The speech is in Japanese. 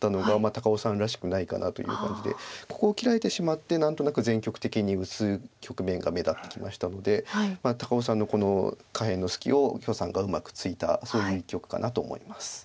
ここを切られてしまって何となく全局的に薄い局面が目立ってきましたので高尾さんのこの下辺の隙を許さんがうまくついたそういう一局かなと思います。